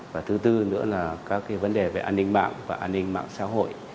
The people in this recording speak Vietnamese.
và thứ tư nữa là các vấn đề về an ninh mạng và an ninh mạng xã hội